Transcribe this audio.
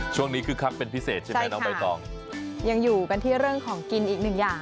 คึกคักเป็นพิเศษใช่ไหมน้องใบตองยังอยู่กันที่เรื่องของกินอีกหนึ่งอย่าง